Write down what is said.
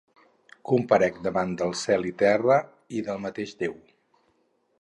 Comparec davant del cel i terra i del mateix Déu.